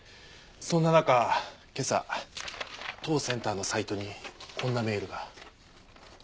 そんな中今朝当センターのサイトにこんなメールが。